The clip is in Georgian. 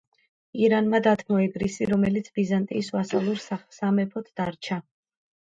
ირანმა დათმო ეგრისი, რომელიც ბიზანტიის ვასალურ სამეფოდ დარჩა.